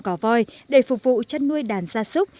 cỏ voi để phục vụ chăn nuôi đàn gia súc